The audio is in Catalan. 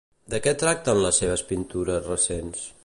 De què tracten les seves pintures recents?